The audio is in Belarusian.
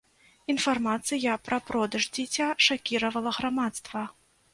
Інфармацыя пра продаж дзіця шакіравала грамадства.